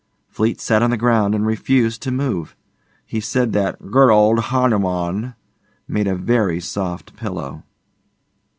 Fleete sat on the ground and refused to move. He said that 'good old Hanuman' made a very soft pillow.